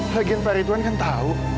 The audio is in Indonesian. hakim pak ridwan kan tahu